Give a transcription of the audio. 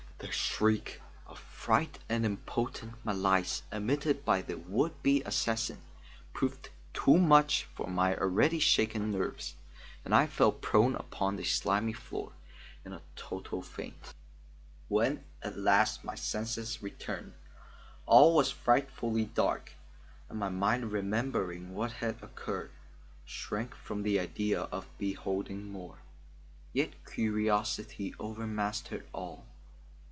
The shriek of fright and impotent malice emitted by the would be assassin proved too much for my already shaken nerves, and I fell prone upon the slimy floor in a total faint. When at last my senses returned, all was frightfully dark, and my mind remembering what had occurred, shrank from the idea of beholding more; yet curiosity overmastered all.